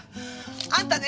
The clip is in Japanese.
あんたね